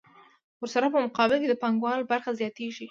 ورسره په مقابل کې د پانګوال برخه زیاتېږي